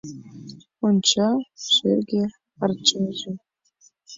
Онча — шерге арчаже